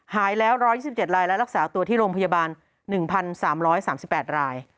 หายแล้วร้อยสิบเจ็ดรายและรักษาตัวที่โรงพยาบาลหนึ่งพันสามร้อยสามสิบแปดราย